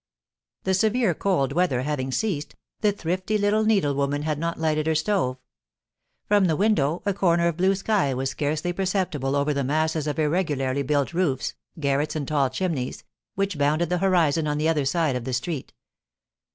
The severe cold weather having ceased, the thrifty little needlewoman had not lighted her stove. From the window, a corner of blue sky was scarcely perceptible over the masses of irregularly built roofs, garrets, and tall chimneys, which bounded the horizon on the other side of the street.